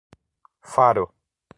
Faro